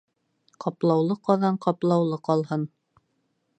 Ҡаплаулы ҡаҙан ҡаплаулы ҡалһын.